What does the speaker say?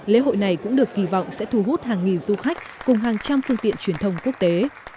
lễ hội này cũng được kỳ vọng sẽ thu hút hàng nghìn du khách cùng hàng trăm phương tiện truyền thông quốc tế